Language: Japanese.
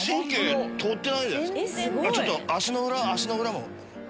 ちょっと足の裏も。